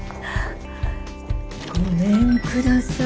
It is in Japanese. ごめんください。